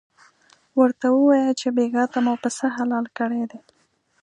ورته ووایه چې بېګاه ته مو پسه حلال کړی دی.